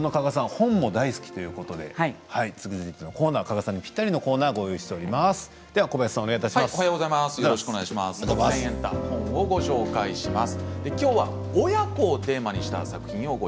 本も大好きということで続いてのコーナー加賀さんにぴったりのコーナーをご用意しています。